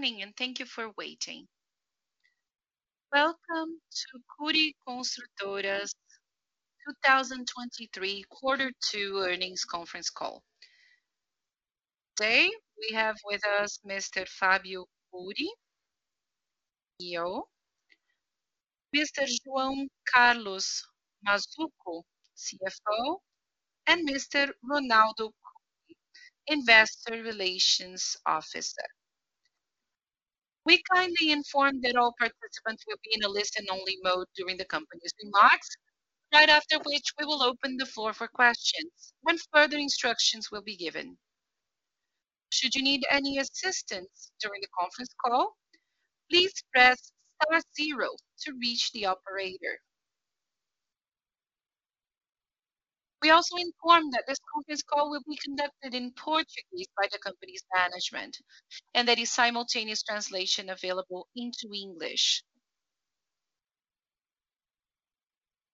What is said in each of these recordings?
Good morning, and thank you for waiting. Welcome to Cury Construtora's 2023 2Q earnings conference call. Today, we have with us Mr. Fabio Cury, CEO, Mr. João Carlos Mazzuco, CFO, and Mr. Ronaldo Cury, Investor Relations Officer. We kindly inform that all participants will be in a listen-only mode during the company's remarks, right after which we will open the floor for questions when further instructions will be given. Should you need any assistance during the conference call, please press star zero to reach the operator. We also inform that this conference call will be conducted in Portuguese by the company's management, and there is simultaneous translation available into English.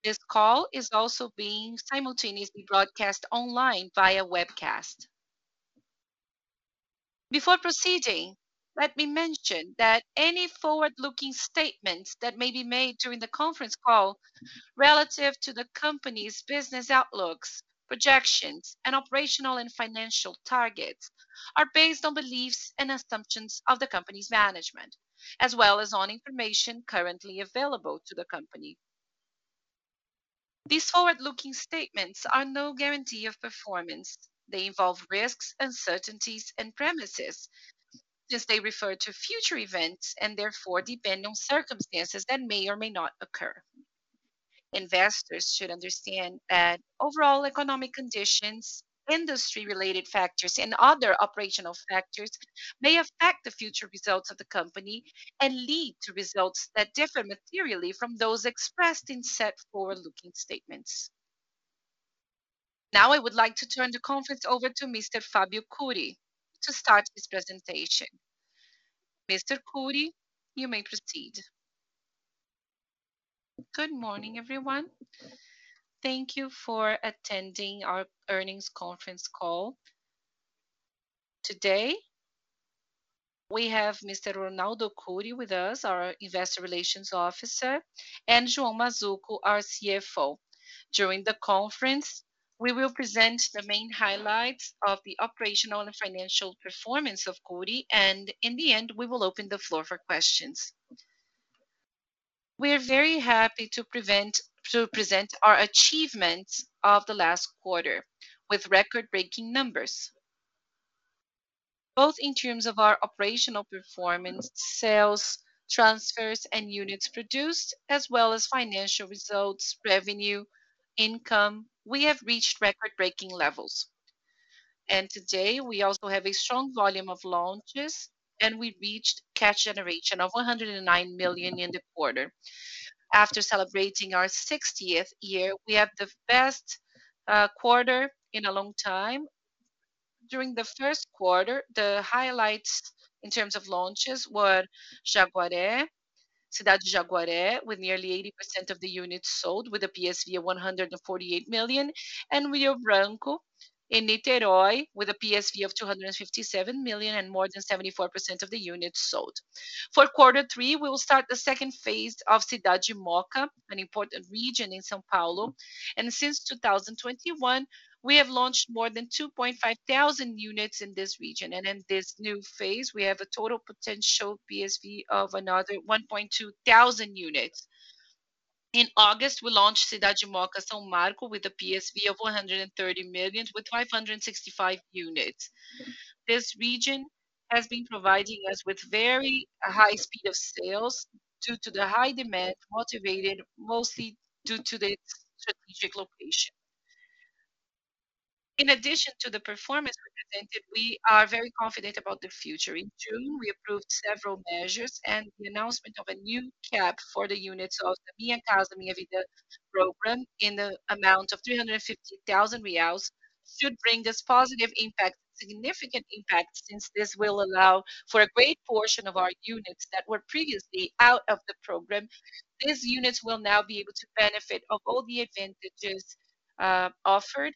This call is also being simultaneously broadcast online via webcast. Before proceeding, let me mention that any forward-looking statements that may be made during the conference call relative to the company's business outlooks, projections, and operational and financial targets, are based on beliefs and assumptions of the company's management, as well as on information currently available to the company. These forward-looking statements are no guarantee of performance. They involve risks, uncertainties, and premises, since they refer to future events and therefore depend on circumstances that may or may not occur. Investors should understand that overall economic conditions, industry-related factors, and other operational factors may affect the future results of the company and lead to results that differ materially from those expressed in said forward-looking statements. Now, I would like to turn the conference over to Mr. Fabio Cury to start this presentation. Mr. Cury, you may proceed. Good morning, everyone. Thank you for attending our earnings conference call. Today, we have Mr. Ronaldo Cury with us, our investor relations officer, and João Mazzuco, our CFO. During the conference, we will present the main highlights of the operational and financial performance of Cury. In the end, we will open the floor for questions. We are very happy to present our achievements of the last quarter with record-breaking numbers, both in terms of our operational performance, sales, transfers, and units produced, as well as financial results, revenue, income. We have reached record-breaking levels. Today we also have a strong volume of launches, and we reached cash generation of 109 million in the quarter. After celebrating our 60th year, we have the best quarter in a long time. During the first quarter, the highlights in terms of launches were Jaguare, Cidade Jaguare, with nearly 80% of the units sold, with a PSV of 148 million, and Rio Branco in Niterói, with a PSV of 257 million and more than 74% of the units sold. For quarter three, we will start the second phase of Cidade Mooca, an important region in São Paulo. Since 2021, we have launched more than 2,500 units in this region. In this new phase, we have a total potential PSV of another 1,200 units. In August, we launched Cidade Mooca San Marco, with a PSV of 130 million, with 565 units. This region has been providing us with very high speed of sales due to the high demand, motivated mostly due to the strategic location. In addition to the performance represented, we are very confident about the future. In June, we approved several measures, and the announcement of a new cap for the units of the Minha Casa, Minha Vida program in the amount of 350,000 reais should bring this positive impact, significant impact, since this will allow for a great portion of our units that were previously out of the program. These units will now be able to benefit of all the advantages offered,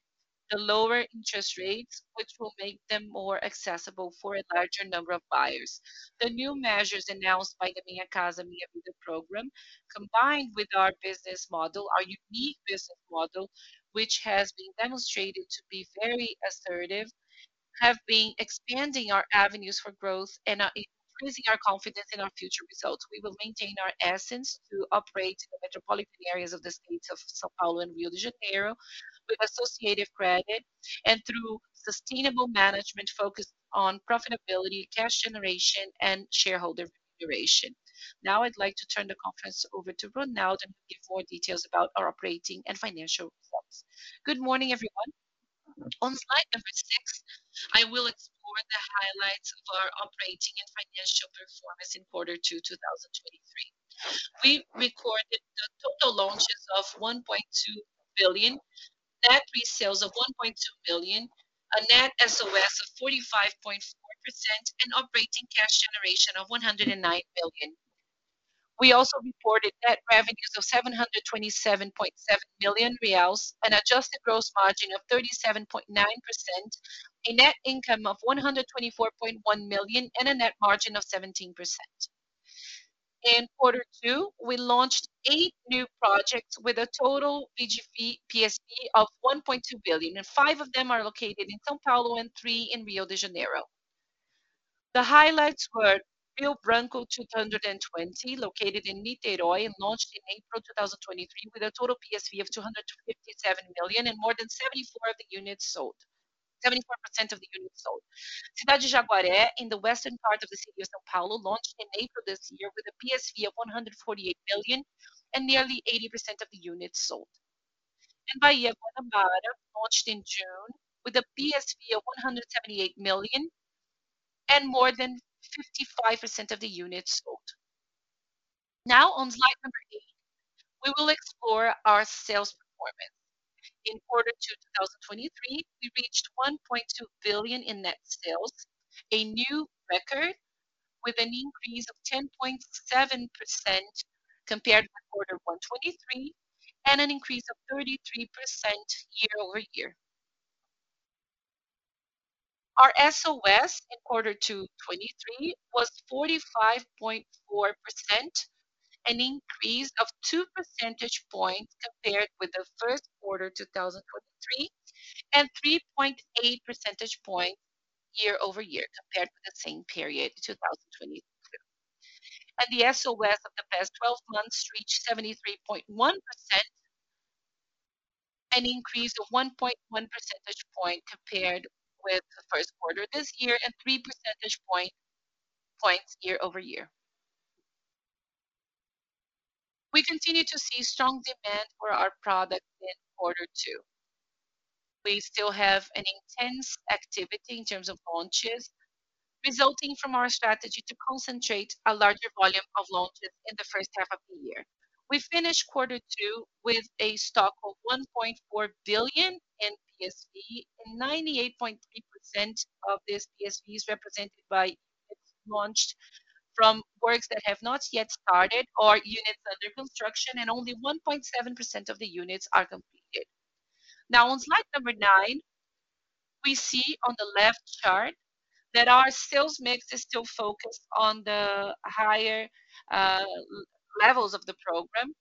the lower interest rates, which will make them more accessible for a larger number of buyers. The new measures announced by the Minha Casa, Minha Vida program, combined with our business model, our unique business model, which has been demonstrated to be very assertive, have been expanding our avenues for growth and are increasing our confidence in our future results. We will maintain our essence to operate in the metropolitan areas of the states of São Paulo and Rio de Janeiro with associative credit and through sustainable management focused on profitability, cash generation, and shareholder remuneration. I'd like to turn the conference over to Ronaldo to give more details about our operating and financial reports. Good morning, everyone. On slide six, I will explore the highlights of our operating and financial performance in 2Q 2023. We recorded the total launches of 1.2 billion, net resales of 1.2 billion, a net SoS of 45.4%, and operating cash generation of 109 million. ... We also reported net revenues of 727.7 billion reais, an adjusted gross margin of 37.9%, a net income of 124.1 million, and a net margin of 17%. In quarter two, we launched eight new projects with a total VGP PSV of 1.2 billion. Five of them are located in São Paulo and three in Rio de Janeiro. The highlights were Rio Branco 220, located in Niterói, and launched in April 2023, with a total PSV of 257 million and more than 74 of the units sold-- 74% of the units sold. Cidade Jaguare, in the western part of the city of São Paulo, launched in April this year with a PSV of $148 million and nearly 80% of the units sold. Barra da Tijuca launched in June with a PSV of $178 million and more than 55% of the units sold. Now, on slide eight, we will explore our sales performance. In quarter two, 2023, we reached $1.2 billion in net sales, a new record with an increase of 10.7% compared to quarter one, 2023, and an increase of 33% year-over-year. Our SoS in Q2 2023 was 45.4%, an increase of 2 percentage points compared with Q1 2023, 3.8 percentage points year-over-year compared to the same period, 2022. The SoS of the past 12 months reached 73.1%, an increase of 1.1 percentage point compared with Q1 this year, 3 percentage point, points year-over-year. We continue to see strong demand for our products in Q2. We still have an intense activity in terms of launches, resulting from our strategy to concentrate a larger volume of launches in the first half of the year. We finished quarter two with a stock of 1.4 billion in PSV, and 98.3% of this PSV is represented by units launched from works that have not yet started or units under construction, and only 1.7% of the units are completed. Now, on slide number nine, we see on the left chart that our sales mix is still focused on the higher levels of the program,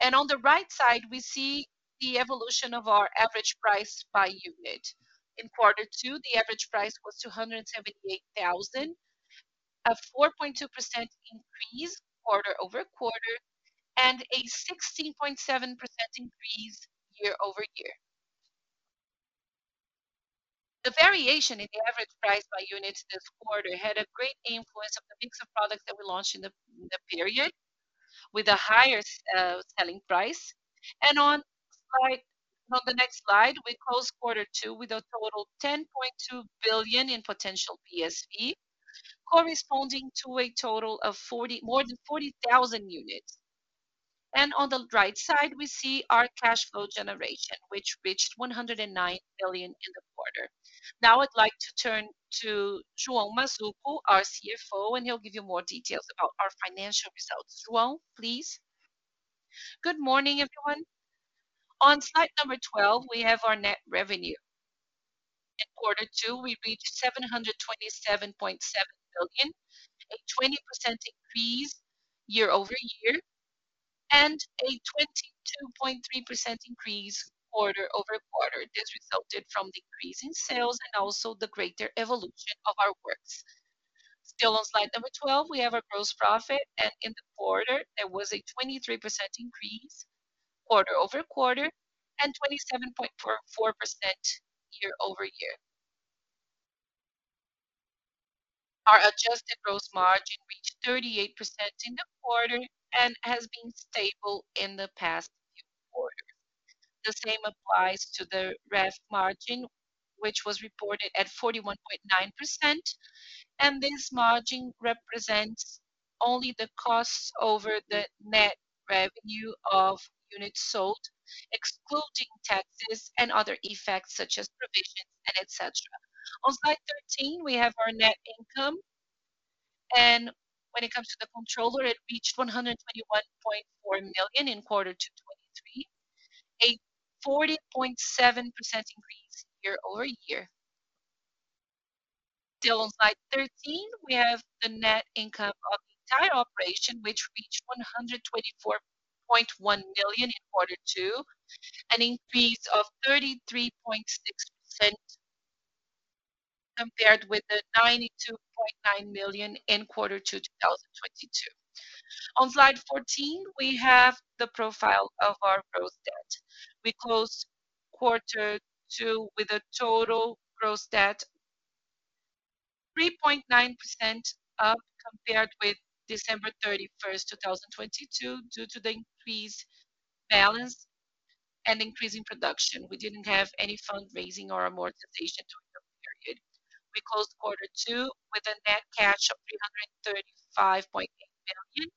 and on the right side, we see the evolution of our average price by unit. In quarter two, the average price was 278,000, a 4.2% increase quarter-over-quarter, and a 16.7% increase year-over-year. The variation in the average price by unit this quarter had a great influence of the mix of products that we launched in the period, with a higher selling price. On the next slide, we closed quarter two with a total 10.2 billion in potential PSV, corresponding to a total of more than 40,000 units. On the right side, we see our cash flow generation, which reached 109 billion in the quarter. Now I'd like to turn to João Mazzuco, our CFO, and he'll give you more details about our financial results. João, please. Good morning, everyone. On slide number 12, we have our net revenue. In quarter two, we reached 727.7 billion, a 20% increase year-over-year, and a 22.3% increase quarter-over-quarter. This resulted from increase in sales and also the greater evolution of our works. Still on slide 12, we have our gross profit. In the quarter, there was a 23% increase quarter-over-quarter and 27.44% year-over-year. Our adjusted gross margin reached 38% in the quarter and has been stable in the past few quarters. The same applies to the REV margin, which was reported at 41.9%. This margin represents only the costs over the net revenue of units sold, excluding taxes and other effects such as provisions and etc. On slide 13, we have our net income. When it comes to the controller, it reached 121.4 million in quarter two, 2023, a 40.7% increase year-over-year. Still on slide 13, we have the net income of the entire operation, which reached 124.1 billion in quarter two, an increase of 33.6% compared with the 92.9 million in quarter two, 2022. On slide 14, we have the profile of our gross debt. We closed quarter two with a total gross debt 3.9% up compared with December 31st, 2022, due to the increased balance and increase in production. We didn't have any fundraising or amortization during the period. We closed quarter two with a net cash of 335.8 million,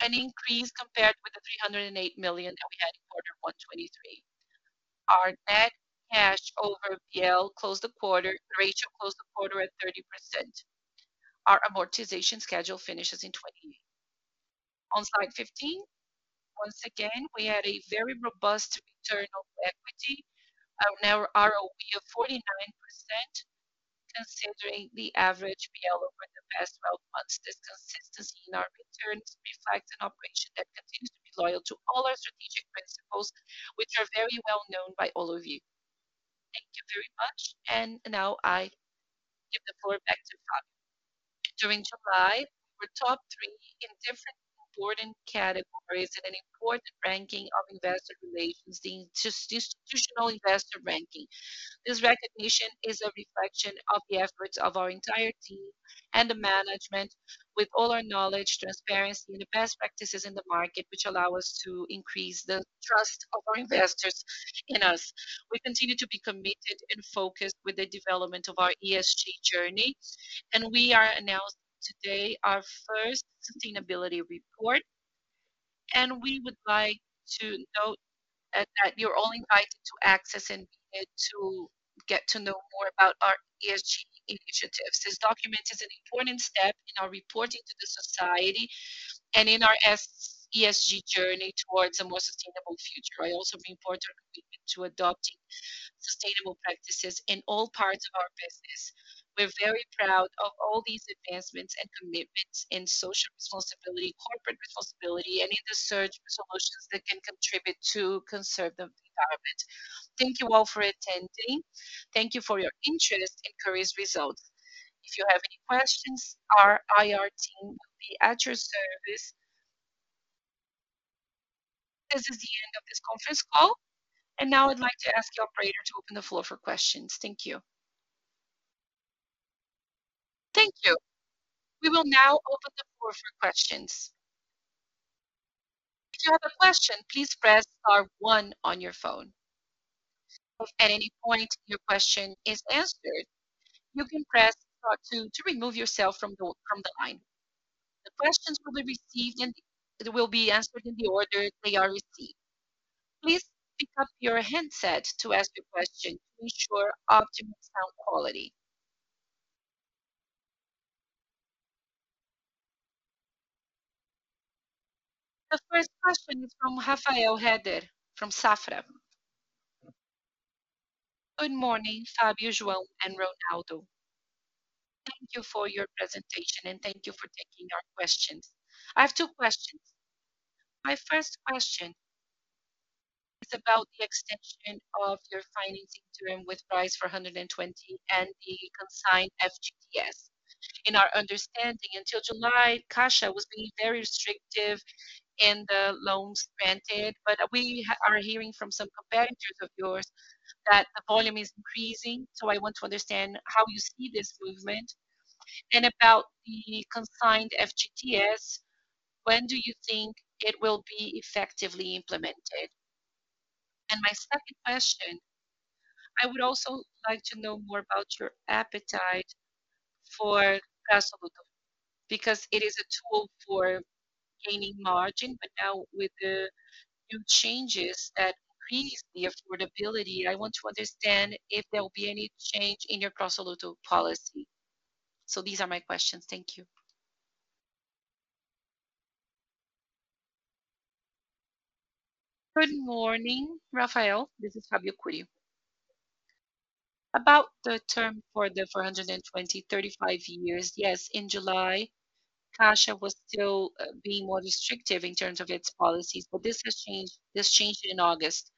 an increase compared with the 308 million that we had in quarter one, 2023. Our net cash over PL closed the quarter, ratio closed the quarter at 30%. Our amortization schedule finishes in 2028. On slide 15, once again, we had a very robust return on equity of now ROE of 49%, considering the average PL over the past 12 months. This consistency in our returns reflects an operation that continues to be loyal to all our strategic principles, which are very well known by all of you. Thank you very much. Now I give the floor back to Fabio. During July, we're top 3 in different important categories in an important ranking of investor relations, the Institutional Investor ranking. This recognition is a reflection of the efforts of our entire team and the management, with all our knowledge, transparency, and the best practices in the market, which allow us to increase the trust of our investors in us. We continue to be committed and focused with the development of our ESG journey, we are announcing today our first sustainability report. We would like to note that you're all invited to access and read it to get to know more about our ESG initiatives. This document is an important step in our reporting to the society and in our ESG journey towards a more sustainable future. I also reinforce our commitment to adopting sustainable practices in all parts of our business. We're very proud of all these advancements and commitments in social responsibility, corporate responsibility, and in the search for solutions that can contribute to conservative development. Thank you all for attending. Thank you for your interest in Cury result. If you have any questions, our IR team will be at your service. This is the end of this conference call. Now I'd like to ask the operator to open the floor for questions. Thank you. Thank you. We will now open the floor for questions. If you have a question, please press star one on your phone. If at any point your question is answered, you can press star two to remove yourself from the, from the line. The questions will be received and it will be answered in the order they are received. Please pick up your handset to ask your question to ensure optimum sound quality. The first question is from Rafael Rehder, from Safra. Good morning, Fabio, João, and Ronaldo. Thank you for your presentation, and thank you for taking our questions. I have two questions. My first question is about the extension of your financing term with Price for 120 and the consigned FGTS. In our understanding, until July, Caixa was being very restrictive in the loans granted. We are hearing from some competitors of yours that the volume is increasing. I want to understand how you see this movement. About the consigned FGTS, when do you think it will be effectively implemented? My second question, I would also like to know more about your appetite for Pro-Soluto, because it is a tool for gaining margin, but now with the new changes that increase the affordability, I want to understand if there will be any change in your Pro-Soluto policy. These are my questions. Thank you. Good morning, Rafael. This is Fabio Cury. About the term for the 420, 35 years, yes, in July, Caixa was still being more restrictive in terms of its policies, but this has changed-- this changed in August.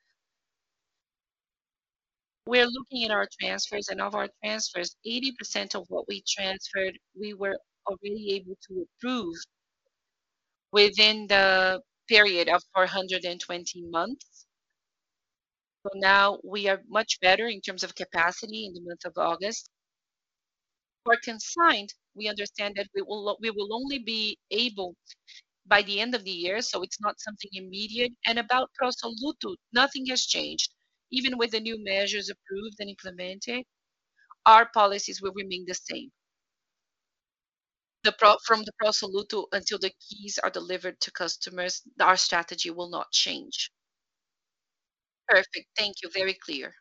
We're looking at our transfers, and of our transfers, 80% of what we transferred, we were already able to approve within the period of 420 months. Now we are much better in terms of capacity in the month of August. For consigned, we understand that we will only be able by the end of the year, so it's not something immediate. About Pro-Soluto, nothing has changed. Even with the new measures approved and implemented, our policies will remain the same. From the Pro-Soluto, until the keys are delivered to customers, our strategy will not change. Perfect. Thank you. Very clear.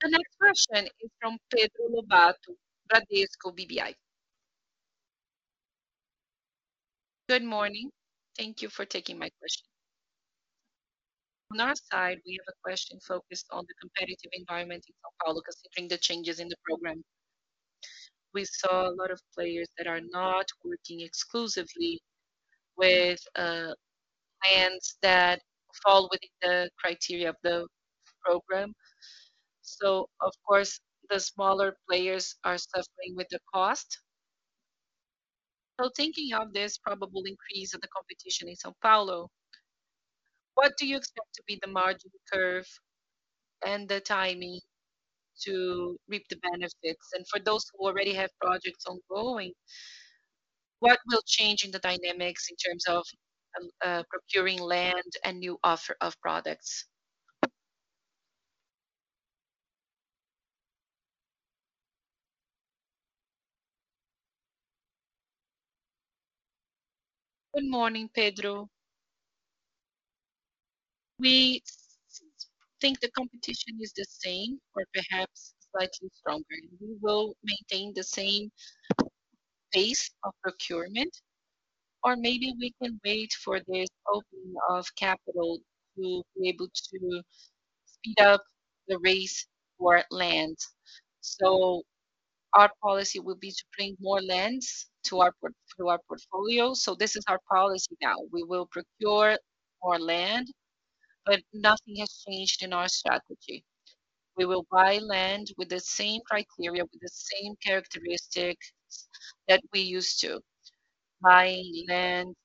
The next question is from Pedro Lobato, Bradesco BBI. Good morning. Thank you for taking my question. On our side, we have a question focused on the competitive environment in São Paulo, considering the changes in the program. We saw a lot of players that are not working exclusively with clients that fall within the criteria of the program. Of course, the smaller players are suffering with the cost. Thinking of this probable increase of the competition in São Paulo, what do you expect to be the margin curve and the timing to reap the benefits? For those who already have projects ongoing, what will change in the dynamics in terms of procuring land and new offer of products? Good morning, Pedro. We think the competition is the same or perhaps slightly stronger. We will maintain the same pace of procurement, or maybe we can wait for this opening of capital to be able to speed up the race for land. Our policy will be to bring more lands to our portfolio. This is our policy now. We will procure more land, but nothing has changed in our strategy. We will buy land with the same criteria, with the same characteristics that we used to. Buying lands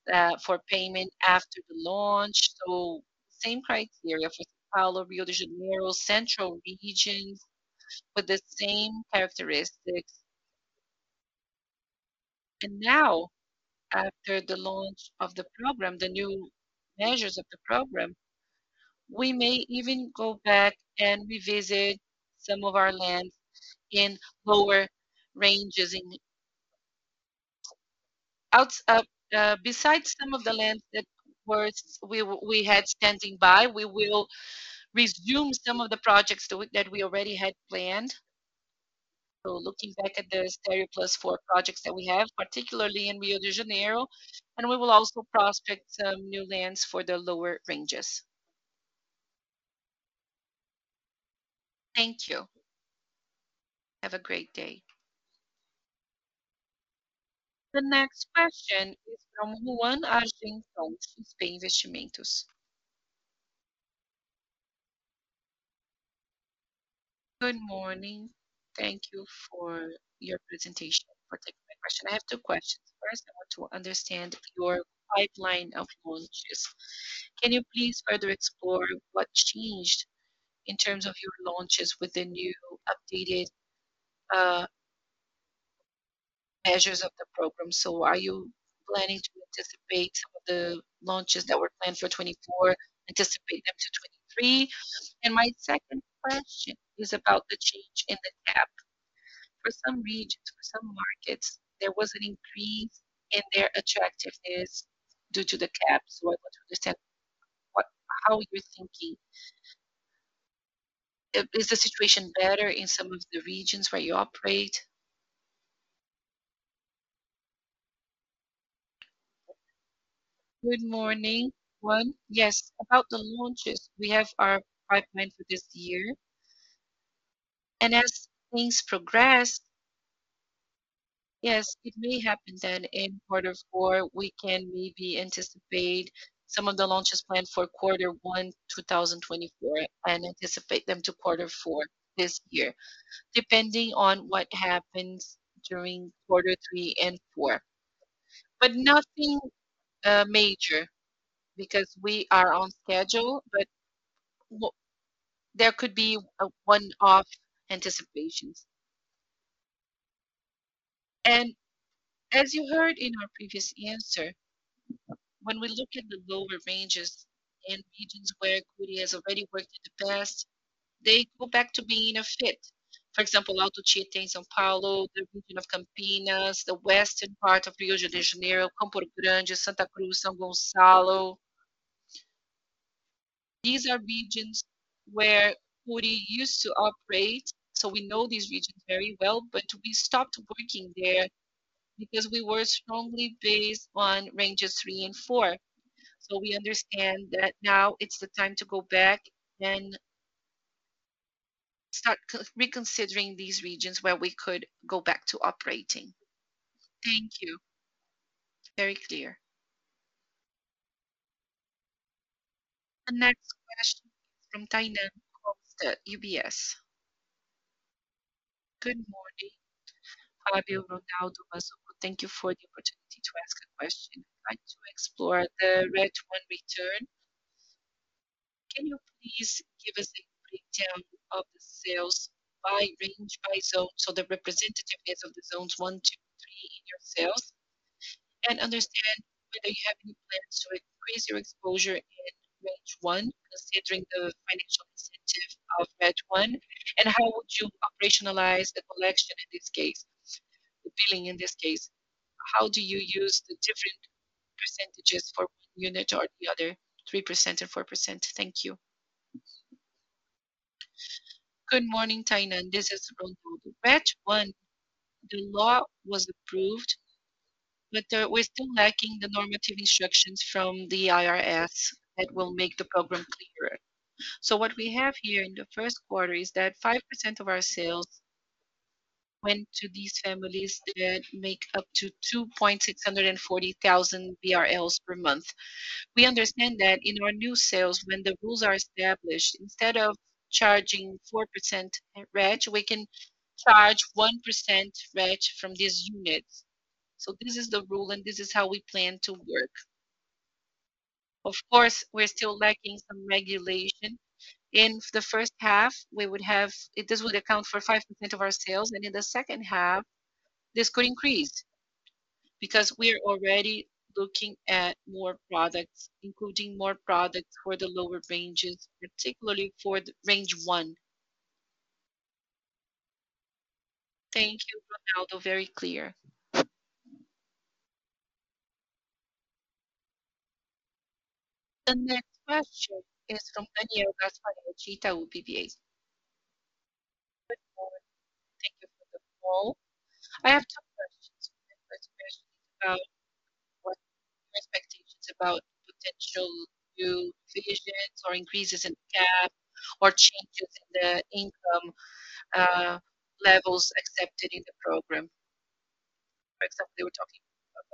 for payment after the launch, so same criteria for São Paulo, Rio de Janeiro, central regions, with the same characteristics. Now, after the launch of the program, the new measures of the program, we may even go back and revisit some of our lands in lower ranges besides some of the lands that were... We had standing by, we will resume some of the projects that we already had planned. Looking back at the SBPE plus faixa 4 projects that we have, particularly in Rio de Janeiro, and we will also prospect some new lands for the lower ranges. Thank you. Have a great day. The next question is from Juan Arguinones from Spain Investimentos. Good morning. Thank you for your presentation. For my question, I have two questions. First, I want to understand your pipeline of launches. Can you please further explore what changed in terms of your launches with the new updated measures of the program? Are you planning to anticipate some of the launches that were planned for 2024, anticipate them to 2023? My second question is about the change in the cap. For some regions, for some markets, there was an increase in their attractiveness due to the caps. I want to understand how are you thinking? Is the situation better in some of the regions where you operate? Good morning, Juan. Yes, about the launches, we have our pipeline for this year. As things progress, yes, it may happen then in quarter four, we can maybe anticipate some of the launches planned for quarter one, 2024, and anticipate them to quarter four this year, depending on what happens during quarter three and four. Nothing major, because we are on schedule, but there could be one-off anticipations. As you heard in our previous answer, when we look at the lower ranges and regions where Cury has already worked in the past, they go back to being a fit. For example, Alto Tietê in São Paulo, the region of Campinas, the western part of Rio de Janeiro, Campo Grande, Santa Cruz, São Gonçalo. These are regions where Cury used to operate, so we know these regions very well. We stopped working there because we were strongly based on ranges three and four. We understand that now it's the time to go back and start reconsidering these regions where we could go back to operating. Thank you. Very clear. The next question is from Tainan of the UBS. Good morning. Hello, Ronaldo, Mazzuco. Thank you for the opportunity to ask a question. I'd like to explore theRET 1 return. Can you please give us a breakdown of the sales by range, by zone, so the representativeness of the zones one, two, three in your sales? Understand whether you have any plans to increase your exposure in range one, considering the financial incentive of RET 1, and how would you operationalize the billing in this case? How do you use the different percentages for one unit or the other, 3% and 4%? Thank you. Good morning, Tainan. This is Ronaldo. RET 1, the law was approved, we're still lacking the normative instructions from the IRS that will make the program clearer. What we have here in the first quarter is that 5% of our sales went to these families that make up to 2.640 thousand BRL per month. We understand that in our new sales, when the rules are established, instead of charging 4% RET 1, we can charge 1% RET 1 from these units. This is the rule, and this is how we plan to work. Of course, we're still lacking some regulation. In the first half, this would account for 5% of our sales, and in the second half, this could increase. We are already looking at more products, including more products for the lower ranges, particularly for the range 1. Thank you, Ronaldo. Very clear. The next question is from Daniel Gasparete, Itaú BBA. Good morning. Thank you for the call. I have two questions. The first question is, what are your expectations about potential new creations or increases in cap or changes in the income levels accepted in the program? For example, you were talking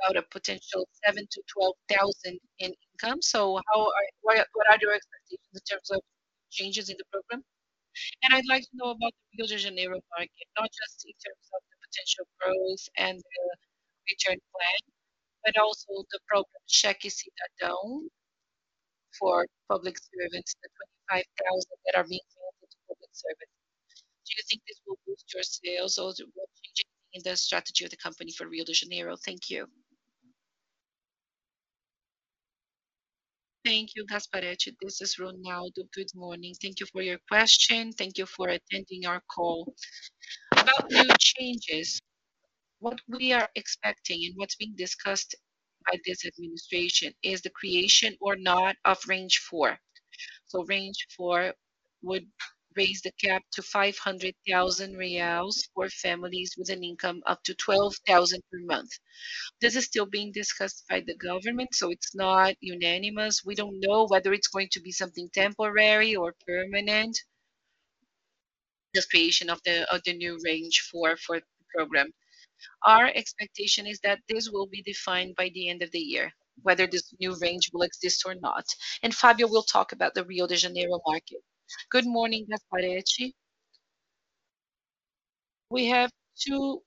about a potential 7,000-12,000 in income. What are your expectations in terms of changes in the program? I'd like to know about the Rio de Janeiro market, not just in terms of the potential growth and the return plan, but also the program Cheque Cidadão for public servants, the 25,000 that are being offered to public servants. Do you think this will boost your sales, or what changes in the strategy of the company for Rio de Janeiro? Thank you. Thank you, Gasparetti. This is Ronaldo. Good morning. Thank you for your question. Thank you for attending our call. About the changes, what we are expecting and what's being discussed by this administration is the creation or not of range four. Range four would raise the cap to R$500,000 for families with an income up to R$12,000 per month. This is still being discussed by the government, so it's not unanimous. We don't know whether it's going to be something temporary or permanent, the creation of the new range 4 for the program. Our expectation is that this will be defined by the end of the year, whether this new range will exist or not, and Fabio will talk about the Rio de Janeiro market. Good morning, Gasparetti. We have two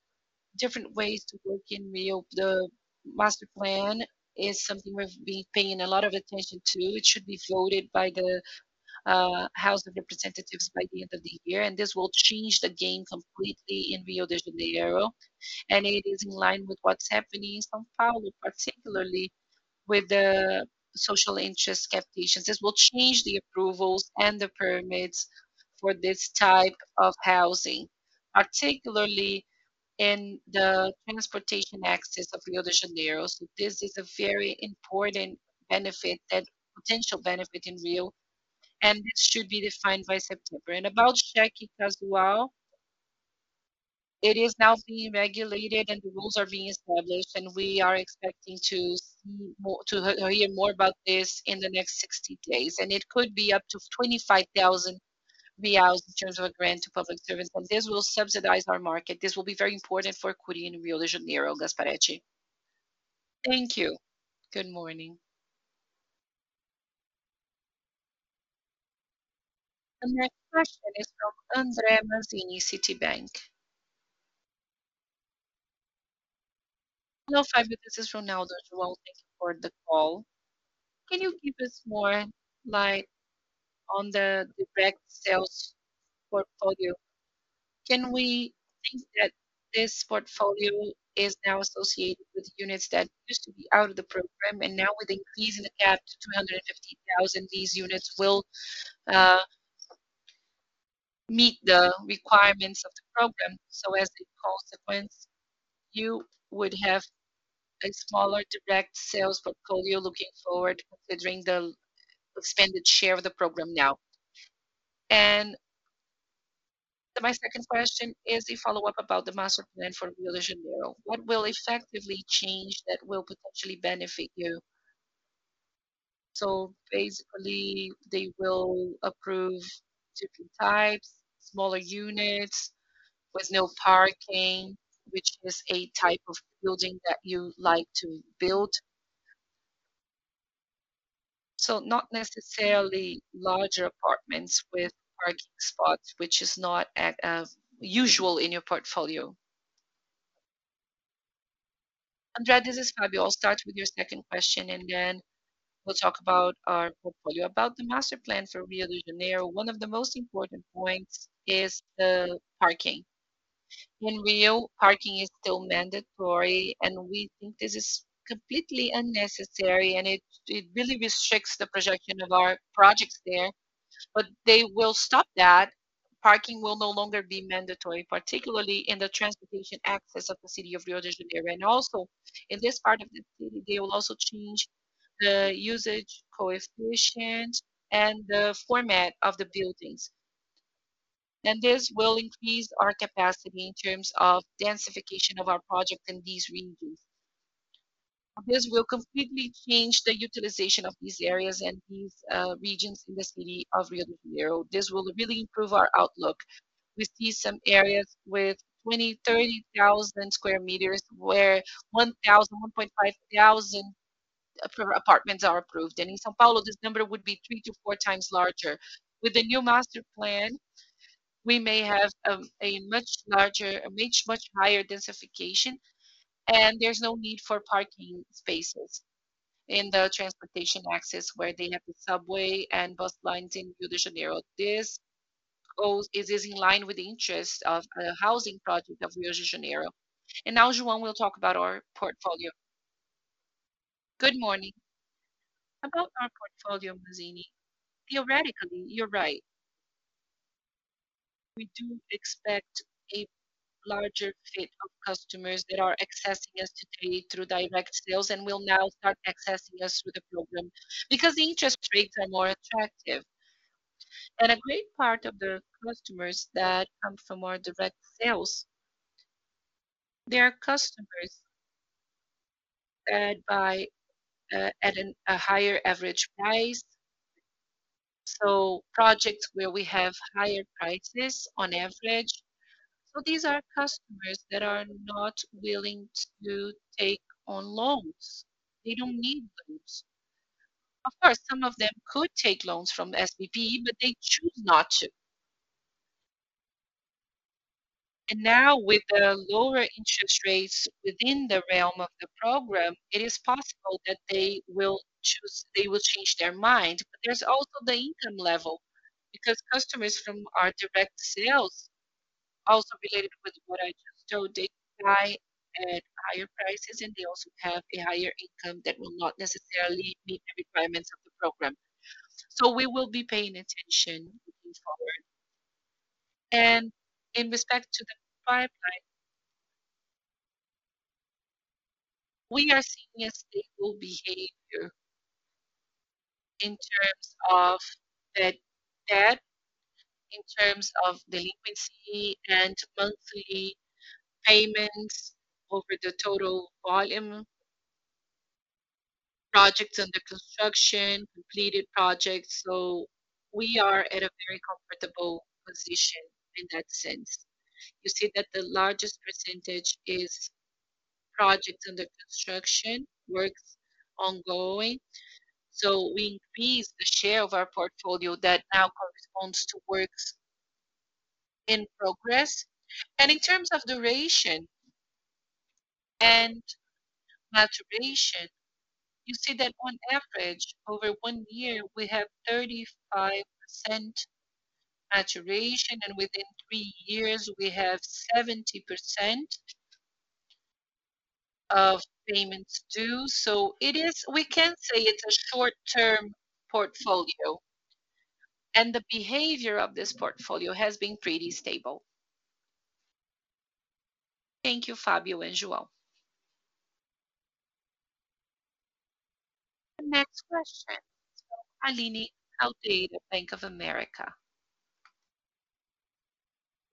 different ways to work in Rio. The master plan is something we've been paying a lot of attention to. It should be voted by the House of Representatives by the end of the year, and this will change the game completely in Rio de Janeiro, and it is in line with what's happening in São Paulo, particularly with the social interest habitations. This will change the approvals and the permits for this type of housing, particularly in the transportation access of Rio de Janeiro. This is a very important benefit and potential benefit in Rio, and this should be defined by September. About Cheque Cidadão, it is now being regulated, and the rules are being established, and we are expecting to see more... To hear more about this in the next 60 days. It could be up to 25 thousand reais in terms of a grant to public servants, and this will subsidize our market. This will be very important for equity in Rio de Janeiro, Gasparetti. Thank you. Good morning. The next question is from Andre Mazini, Citibank. Hello, Fabio, this is Ronaldo João. Thank you for the call. Can you give us more light on the direct sales portfolio? Can we think that this portfolio is now associated with units that used to be out of the program and now with increase in the cap to 250 thousand, these units will meet the requirements of the program? As a consequence, you would have a smaller direct sales portfolio looking forward, considering the expanded share of the program now. My second question is a follow-up about the master plan for Rio de Janeiro. What will effectively change that will potentially benefit you? Basically, they will approve different types, smaller units with no parking, which is a type of building that you like to build. Not necessarily larger apartments with parking spots, which is not at usual in your portfolio. Andre, this is Fabio. I'll start with your second question, and then we'll talk about our portfolio. About the master plan for Rio de Janeiro, one of the most important points is the parking. In Rio, parking is still mandatory, and we think this is completely unnecessary, and it really restricts the projection of our projects there. They will stop that. Parking will no longer be mandatory, particularly in the transportation access of the city of Rio de Janeiro. Also, in this part of the city, they will also change the usage coefficients and the format of the buildings. This will increase our capacity in terms of densification of our project in these regions. This will completely change the utilization of these areas and these regions in the city of Rio de Janeiro. This will really improve our outlook. We see some areas with 20,000-30,000 square meters where 1,000-1,500 apartments are approved. In São Paulo, this number would be 3-4 times larger. With the new master plan, we may have a much larger, a much, much higher densification, and there's no need for parking spaces in the transportation access, where they have the subway and bus lines in Rio de Janeiro. Oh, it is in line with the interest of the housing project of Rio de Janeiro. Now João will talk about our portfolio. Good morning. About our portfolio, Mazini, theoretically, you're right. We do expect a larger fit of customers that are accessing us today through direct sales and will now start accessing us through the program because the interest rates are more attractive. A great part of the customers that come from our direct sales, they are customers, by, at an, a higher average price, so projects where we have higher prices on average. These are customers that are not willing to take on loans. They don't need loans. Of course, some of them could take loans from SBP, but they choose not to. Now, with the lower interest rates within the realm of the program, it is possible that they will change their mind. There's also the income level, because customers from our direct sales, also related with what I just told, they buy at higher prices, and they also have a higher income that will not necessarily meet the requirements of the program. We will be paying attention moving forward. In respect to the pipeline, we are seeing a stable behavior in terms of the debt, in terms of delinquency and monthly payments over the total volume, projects under construction, completed projects. We are at a very comfortable position in that sense. You see that the largest percentage is projects under construction, works ongoing, so we increased the share of our portfolio that now corresponds to works in progress. In terms of duration and maturation, you see that on average, over 1 year, we have 35% maturation, and within three years, we have 70% of payments due. It is. We can say it's a short-term portfolio, and the behavior of this portfolio has been pretty stable. Thank you, Fabio and João. The next question, Aline Almeida, Bank of America.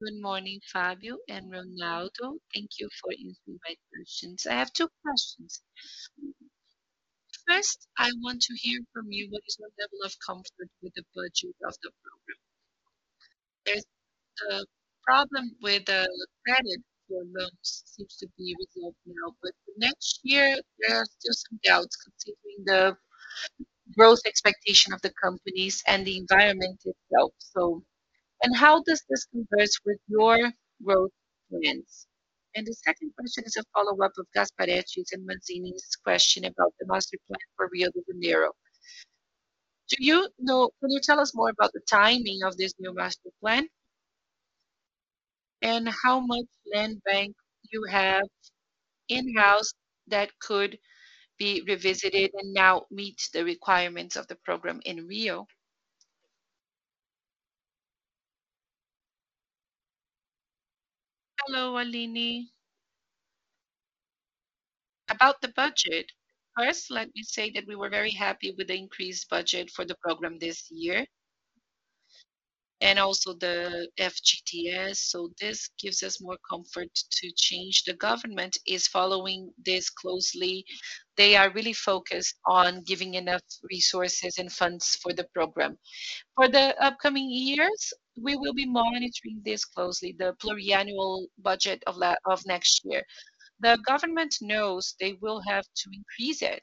Good morning, Fabio and Ronaldo. Thank you for using my questions. I have two questions. First, I want to hear from you, what is your level of comfort with the budget of the program? There's a problem with the credit for loans seems to be resolved now, next year there are still some doubts concerning the growth expectation of the companies and the environment itself. How does this converse with your growth plans? The second question is a follow-up of Gasparetti's and Mazini's question about the master plan for Rio de Janeiro. Can you tell us more about the timing of this new master plan? How much land bank you have in-house that could be revisited and now meets the requirements of the program in Rio? Hello, Aline. About the budget, first, let me say that we were very happy with the increased budget for the program this year and also the FGTS, so this gives us more comfort to change. The government is following this closely. They are really focused on giving enough resources and funds for the program. For the upcoming years, we will be monitoring this closely, the pluriannual budget of next year. The government knows they will have to increase it,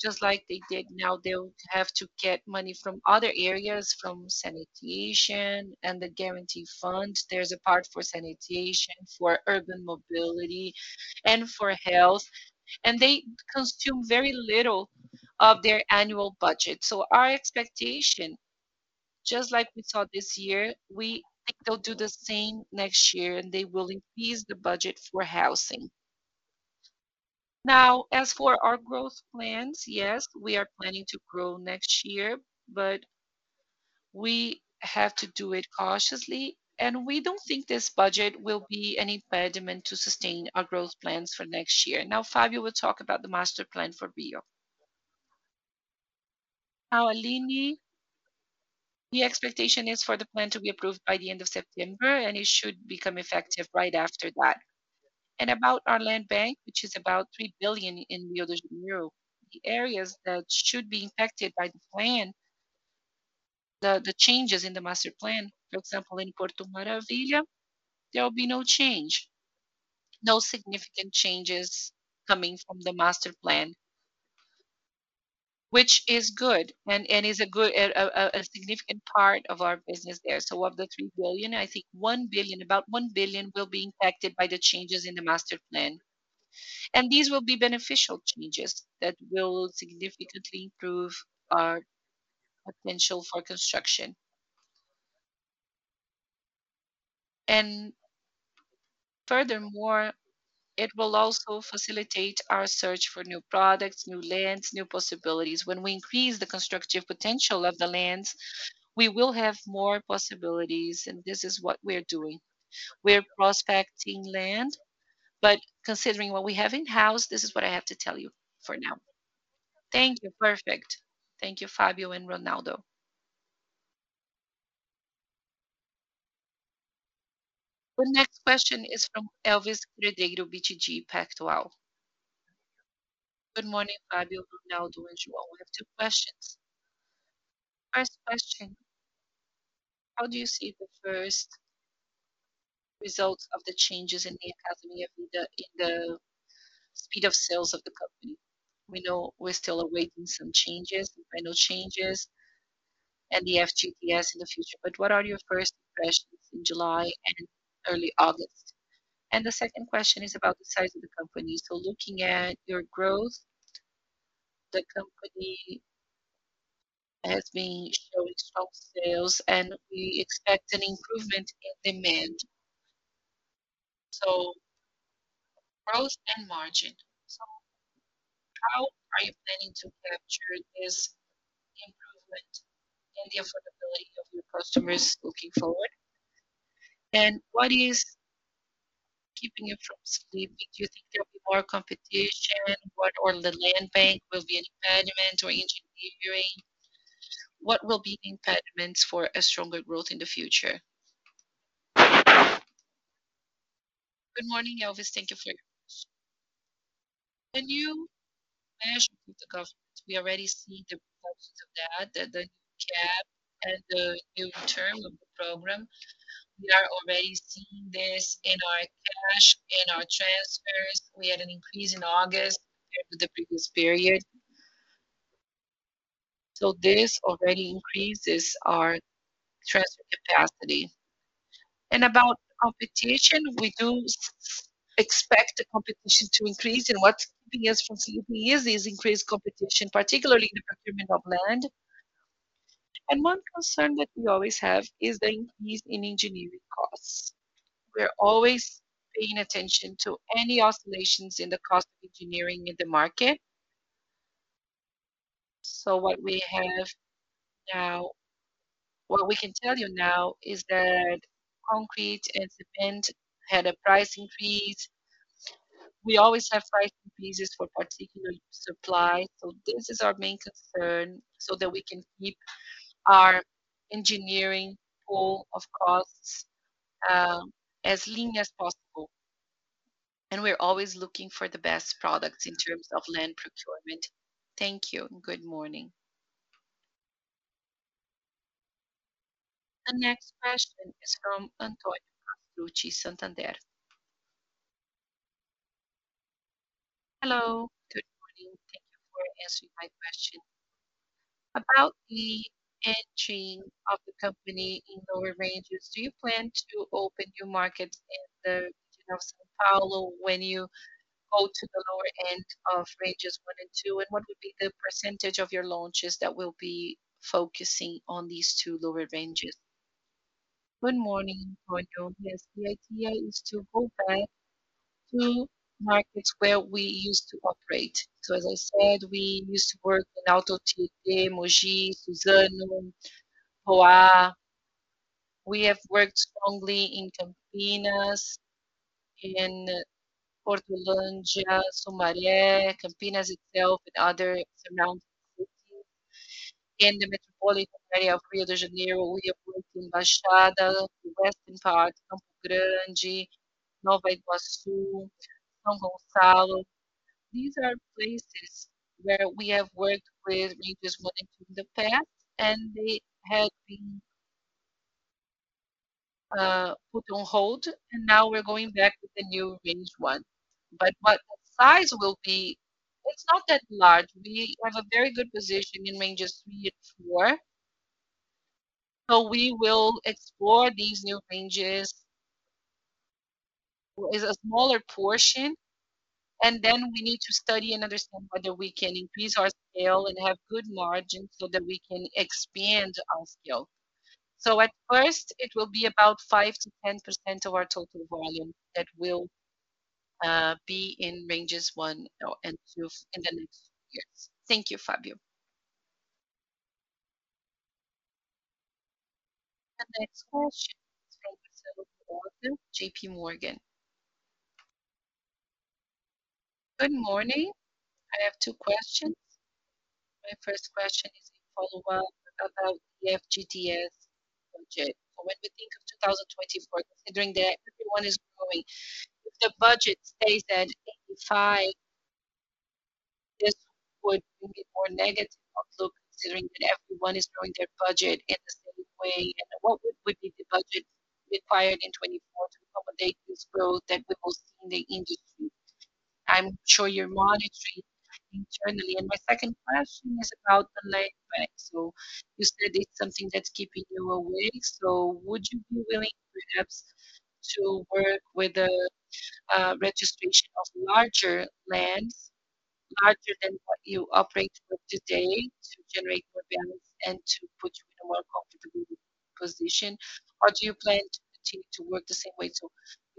just like they did. They will have to get money from other areas, from sanitation and the guarantee fund. There's a part for sanitation, for urban mobility, and for health, and they consume very little of their annual budget. Our expectation, just like we saw this year, we think they'll do the same next year, and they will increase the budget for housing. As for our growth plans, yes, we are planning to grow next year, but we have to do it cautiously, and we don't think this budget will be an impediment to sustain our growth plans for next year. Fabio will talk about the master plan for Rio. Hi, Aline. The expectation is for the plan to be approved by the end of September, and it should become effective right after that. About our land bank, which is about 3 billion in Rio de Janeiro, the areas that should be impacted by the plan, the changes in the master plan, for example, in Porto Maravilha, there will be no change. No significant changes coming from the master plan, which is good and is a good, a significant part of our business there. Of the 3 billion, I think 1 billion, about 1 billion will be impacted by the changes in the master plan. These will be beneficial changes that will significantly improve our potential for construction. Furthermore, it will also facilitate our search for new products, new lands, new possibilities. When we increase the constructive potential of the lands, we will have more possibilities, and this is what we're doing. We're prospecting land, considering what we have in-house, this is what I have to tell you for now. Thank you. Perfect. Thank you, Fabio and Ronaldo. The next question is from Elvis Credendio, BTG Pactual. Good morning, Fabio, Ronaldo, and João. We have twoquestions. First question: How do you see the first results of the changes in the economy in the speed of sales of the company? We know we're still awaiting some changes, final changes, and the FGTS in the future. What are your first impressions in July and early August? The second question is about the size of the company. Looking at your growth, the company has been showing strong sales, and we expect an improvement in demand. Growth and margin. How are you planning to capture this improvement in the affordability of your customers looking forward? What is keeping you from sleeping? Do you think there will be more competition? The land bank will be an impediment or engineering? What will be the impediments for a stronger growth in the future? Good morning, Elvis. Thank you for your question. The new measure with the government, we already see the results of that, the new cap and the new term of the program. We are already seeing this in our cash and our transfers. We had an increase in August compared to the previous period. This already increases our transfer capacity. About competition, we do expect the competition to increase, and what is from CP is increased competition, particularly in the procurement of land. One concern that we always have is the increase in engineering costs. We're always paying attention to any oscillations in the cost of engineering in the market. What we can tell you now is that concrete and cement had a price increase. We always have price increases for particular supply, so this is our main concern, so that we can keep our engineering pool of costs as lean as possible. We're always looking for the best products in terms of land procurement. Thank you, and good morning. The next question is from Antonio Castrucci, Santander. Hello, good morning. Thank you for answering my question. About the entry of the company in lower ranges, do you plan to open new markets in the São Paulo, when you go to the lower end of ranges one and two? What would be the % of your launches that will be focusing on these two lower ranges? Good morning, Antonio. Yes, the idea is to go back to markets where we used to operate. As I said, we used to work in Alto Tietê, Mogi, Suzano, Roá. We have worked strongly in Campinas, in Hortolândia, Sumaré, Campinas itself, and other surrounding cities. In the metropolitan area of Rio de Janeiro, we have worked in Baixada, West in Campo Grande, Nova Iguaçu, São Gonçalo. These are places where we have worked with ranges 1 and 2 in the past, and they have been put on hold, and now we're going back with the new range 1. What the size will be, it's not that large. We have a very good position in ranges three and four we will explore these new ranges with a smaller portion, and then we need to study and understand whether we can increase our scale and have good margins so that we can expand our scale. At first, it will be about 5%-10% of our total volume that will be in ranges one andtwo in the next years. Thank you, Fabio. The next question is from Marcelo Motta, JPMorgan. Good morning. I have two questions. My first question is a follow-up about the FGTS budget. When we think of 2024, considering that everyone is growing, if the budget stays at 85, this would bring a more negative outlook, considering that everyone is growing their budget in the same way. What would be the budget required in 2024 to accommodate this growth that we will see in the industry? I'm sure you're monitoring this internally. My second question is about the land bank. You said it's something that's keeping you awake, so would you be willing perhaps to work with the registration of larger lands, larger than what you operate with today, to generate more balance and to put you in a more comfortable position? Or do you plan to continue to work the same way?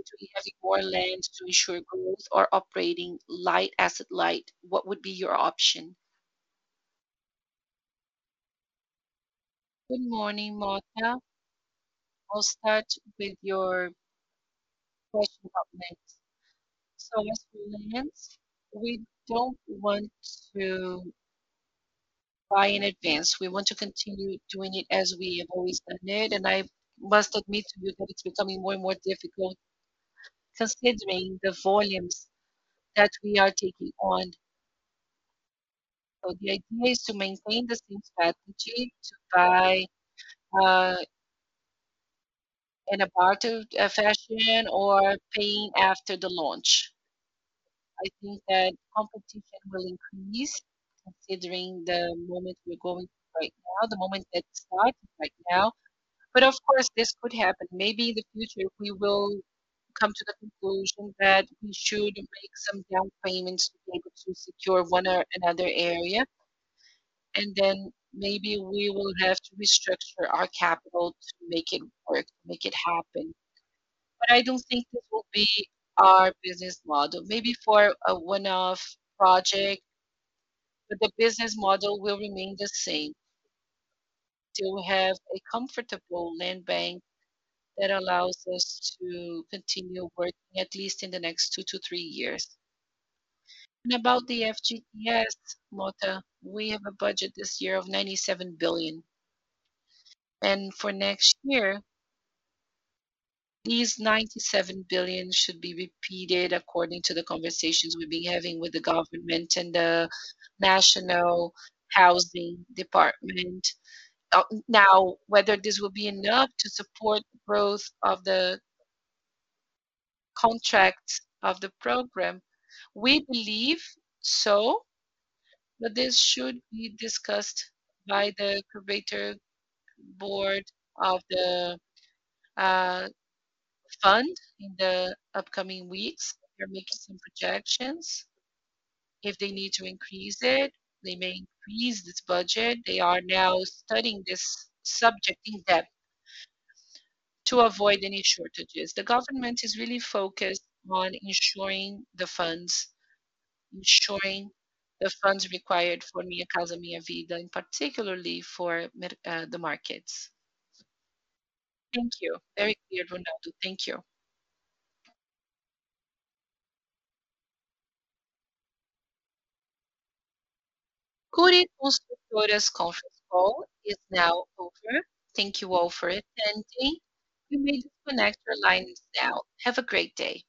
Between having more lands to ensure growth or operating light, asset light, what would be your option? Good morning, Motta. I'll start with your question about next. As for lands, we don't want to buy in advance. We want to continue doing it as we have always done it. I must admit to you that it's becoming more and more difficult considering the volumes that we are taking on. The idea is to maintain the same strategy, to buy in a barter fashion or paying after the launch. Of course, this could happen. Maybe in the future, we will come to the conclusion that we should make some down payments to be able to secure one or another area. Then maybe we will have to restructure our capital to make it work, make it happen. I don't think this will be our business model. Maybe for a one-off project, but the business model will remain the same, to have a comfortable land bank that allows us to continue working at least in the next two to three years. About the FGTS, Motta, we have a budget this year of 97 billion, and for next year, these 97 billion should be repeated according to the conversations we've been having with the government and the National Housing Department. Now, whether this will be enough to support growth of the contracts of the program, we believe so, but this should be discussed by the curator board of the fund in the upcoming weeks. They're making some projections. If they need to increase it, they may increase this budget. They are now studying this subject in depth to avoid any shortages. The government is really focused on ensuring the funds, ensuring the funds required for Minha Casa, Minha Vida, and particularly for the markets. Thank you. Very clear, Ronaldo. Thank you. Cury Construtora conference call is now over. Thank you all for attending. You may disconnect your lines now. Have a great day.